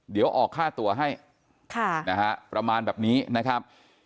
เดี๋ยวออกค่าตัวให้ประมาณแบบนี้นะครับ